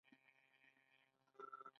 مصنوعي ځیرکتیا د ځواک محدودیت ته اړتیا لري.